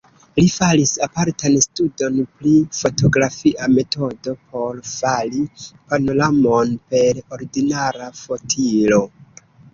Li faris apartan studon pri fotografia metodo por fari panoramon per ordinara fotilo.